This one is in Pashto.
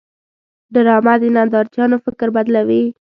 ډرامه د نندارچیانو فکر بدلوي